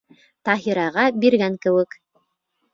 Таһираға биргән кеүек.